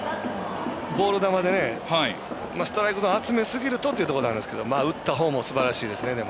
ボール球でストライクゾーン集めすぎるとというところなんですが打ったほうもすばらしいですね。